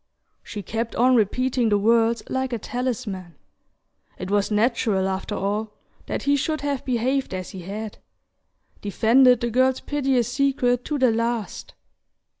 She kept on repeating the words like a talisman. It was natural, after all, that he should have behaved as he had: defended the girl's piteous secret to the last.